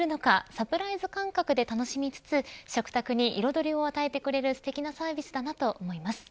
サプライズ感覚で楽しみつつ食卓に彩りを与えてくれるすてきなサービスだなと思います。